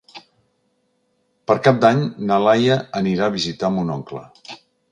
Per Cap d'Any na Laia anirà a visitar mon oncle.